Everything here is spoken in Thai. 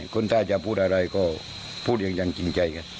คนใต้จะพูดอะไรพูดเรียกจริงใจ